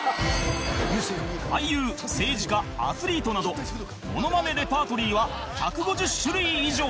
俳優政治家アスリートなどモノマネレパートリーは１５０種類以上